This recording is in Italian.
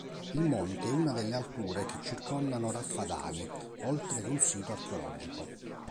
Il monte è una delle alture che circondano Raffadali oltre che un sito archeologico.